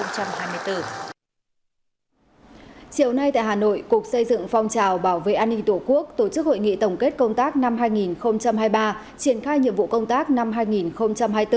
chiều nay tại hà nội cục xây dựng phong trào bảo vệ an ninh tổ quốc tổ chức hội nghị tổng kết công tác năm hai nghìn hai mươi ba triển khai nhiệm vụ công tác năm hai nghìn hai mươi bốn